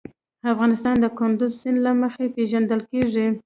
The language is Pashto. افغانستان د کندز سیند له مخې پېژندل کېږي.